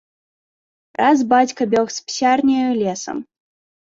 Раз бацька бег з псярняю лесам.